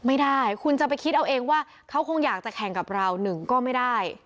ไม่ได้คุณจะไปคิดเอาเองว่าเขาคงอยากจะแข่งกับเราหนึ่งก็ไม่ได้